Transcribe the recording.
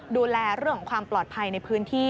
ดูแลเรื่องของความปลอดภัยในพื้นที่